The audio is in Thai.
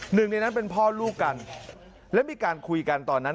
หนึ่งในนั้นเป็นพ่อลูกกันและมีการคุยกันตอนนั้น